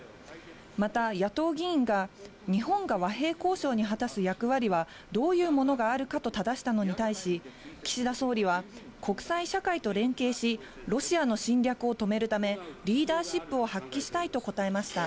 また、野党議員が日本が和平交渉に果たす役割はどういうものがあるかとただしたのに対し、岸田総理は、国際社会と連携し、ロシアの侵略を止めるため、リーダーシップを発揮したいと答えました。